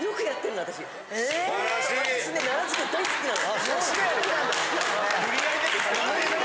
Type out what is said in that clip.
私ね奈良漬大好きなの。